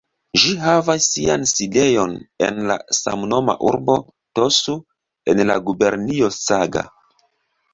Ĝi havas sian sidejon en la samnoma urbo "Tosu" en la gubernio Saga.